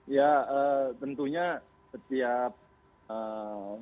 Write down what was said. ya tentunya setiap kita masuk ke area baru